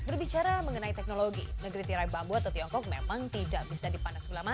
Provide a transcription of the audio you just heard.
berbicara mengenai teknologi negeri tirai bambu atau tiongkok memang tidak bisa dipanas ulama